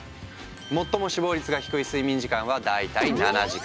最も死亡率が低い睡眠時間は大体７時間。